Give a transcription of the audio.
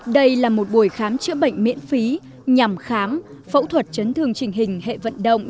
đây là một buổi khám chữa bệnh miễn phí nhằm khám phẫu thuật chấn thương trình hình hệ vận động